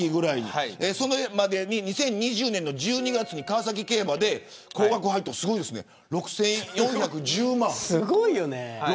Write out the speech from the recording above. それまでに２０２０年の１２月に川崎競馬で高額配当すごいですね６４１０万。